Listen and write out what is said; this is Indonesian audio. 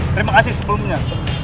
terima kasih sebelumnya